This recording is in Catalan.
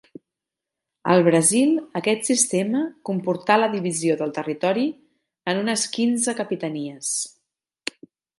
Al Brasil aquest sistema comportà la divisió del territori en unes quinze capitanies.